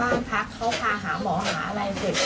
แล้วตอนนี้ศาลให้ประกันตัวออกมาแล้ว